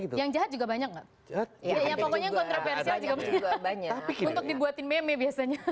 untuk dibuatin meme biasanya